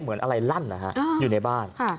เหมือนอะไรลั่นนะฮะอยู่ในบ้าน